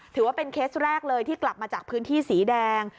ถือว่าเป็นเคสแรกเลยที่กลับมาจากพื้นที่สีแดง